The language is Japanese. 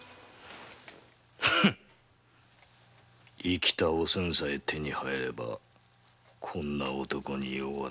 生きたおせんさえ手に入ればこんな男に用はないわ。